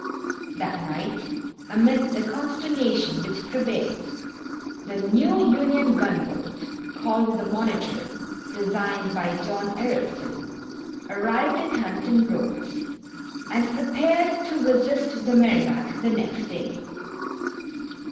That night, amid the consternation which prevailed, the new Union gun boat, called the Monitor, designed by John Ericsson, arrived in Hampton Roads and prepared to resist the Merrimac the next day.